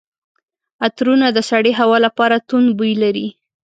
عطرونه د سړې هوا لپاره توند بوی لري.